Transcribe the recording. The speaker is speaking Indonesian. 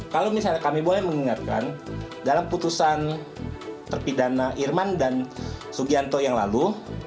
kalau misalnya kami boleh mengingatkan dalam putusan terpidana irman dan sugianto yang lalu